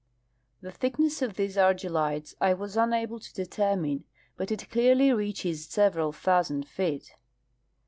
The thickness of these argillites I was unable to determine, but it clearly reaches several thousand feet.